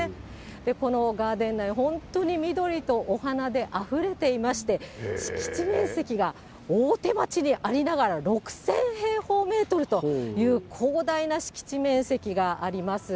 このガーデン内、本当に緑とお花であふれていまして、敷地面積が大手町にありながら、６０００平方メートルという、広大な敷地面積があります。